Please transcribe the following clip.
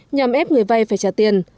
nhằm ép người vay phải trả tiền